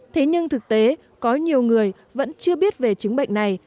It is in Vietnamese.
thế nhưng thực tế có nhiều người vẫn chưa biết về chứng bệnh này